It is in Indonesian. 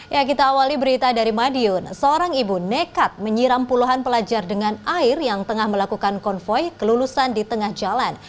ya kita awali berita dari madiun seorang ibu nekat menyiram puluhan pelajar dengan air yang tengah melakukan konvoy kelulusan di tengah jalan